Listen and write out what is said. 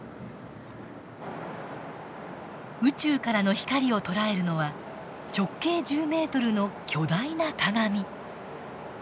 宇宙からの光を捉えるのは直径１０ｍの巨大な鏡。